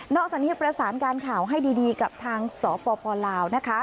จากนี้ยังประสานการข่าวให้ดีกับทางสปลาวนะคะ